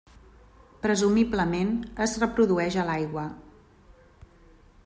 Presumiblement es reprodueix a l'aigua.